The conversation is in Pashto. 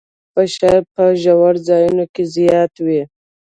فشار په ژورو ځایونو کې زیات وي.